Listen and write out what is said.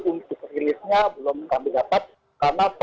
kami dapat karena proses